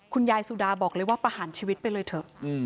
คุณยายสุดาบอกเลยว่าประหารชีวิตไปเลยเถอะ